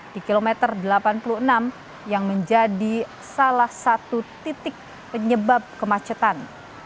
di kilometer delapan puluh enam yang menjadi salah satu titik penyebab kemacetan